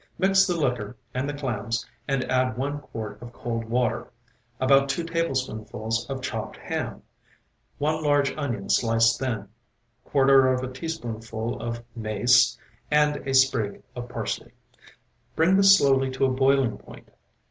Mix the liquor and the clams, and add one quart of cold water, about two tablespoonfuls of chopped ham, one large onion sliced thin, quarter of a teaspoonful of mace and a sprig of parsley. Bring this slowly to a boiling point.